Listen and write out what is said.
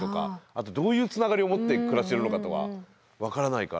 あとどういうつながりを持って暮らしてるのかとか分からないから。